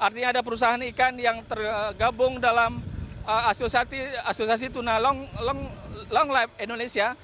artinya ada perusahaan ikan yang tergabung dalam asosiasi tuna longline indonesia